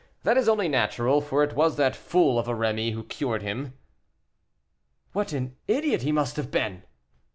That is only natural, for it was that fool of a Rémy who cured him. "What an idiot he must have been!"